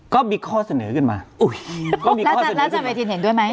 ก็มีข้อเสนอขึ้นมาอุ้ยก็มีข้อเสนอขึ้นมาแล้วอาจารย์เวทีนเห็นด้วยไหม